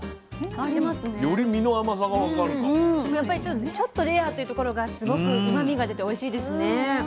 やっぱりちょっとレアっていうところがすごくうまみが出ておいしいですね。